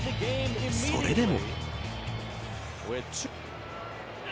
それでも。